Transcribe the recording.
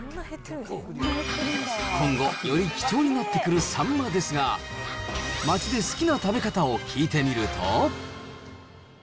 今後より貴重になってくるサンマですが、街で好きな食べ方を聞いてみると。